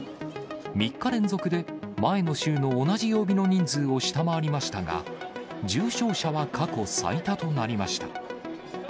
３日連続で、前の週の同じ曜日の人数を下回りましたが、重症者は過去最多となりました。